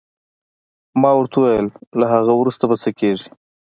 ما ورته وویل: له هغه وروسته به څه کېږي؟